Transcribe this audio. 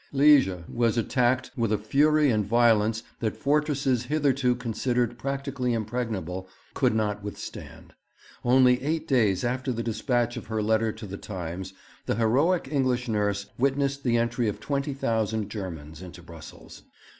Liège was attacked with a fury and violence that fortresses hitherto considered practically impregnable could not withstand. Only eight days after the dispatch of her letter to The Times the heroic English nurse witnessed the entry of 20,000 Germans into Brussels.